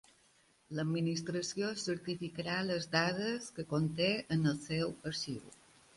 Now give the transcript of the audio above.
L'Administració certificarà les dades que conté en el seu arxiu.